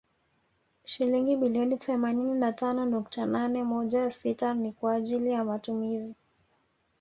Shilingi bilioni themanini na tano nukta nane moja sita ni kwa ajili ya matumizi